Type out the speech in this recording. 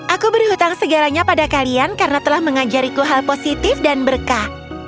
aku berhutang segaranya pada kalian karena telah mengajariku hal positif dan berkah